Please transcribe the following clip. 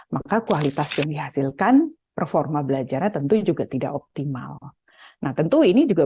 maka kualitas yang dihasilkan performa belajarnya tentu juga tidak optimal nah tentu ini juga